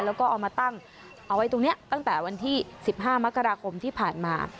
แล้วก็เอามาตั้งเอาไว้ตรงนี้ตั้งแต่วันที่๑๕มกราคมที่ผ่านมา